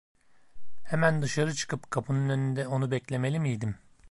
Hemen dışarı çıkıp kapının önünde onu beklemeli miydim?